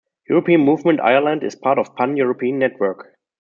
European Movement Ireland is part of a pan-European network.